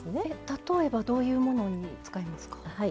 例えばどういうものに使えますか？